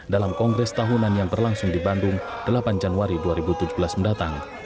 dalam kongres tahunan yang berlangsung di bandung delapan januari dua ribu tujuh belas mendatang